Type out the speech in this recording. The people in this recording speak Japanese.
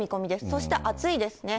そして暑いですね。